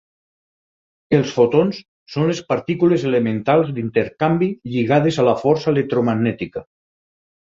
Els fotons són les partícules elementals d'intercanvi lligades a la força electromagnètica.